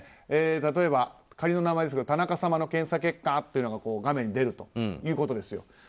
仮の名前ですが田中様の検査結果というものが画面に出るということですよ。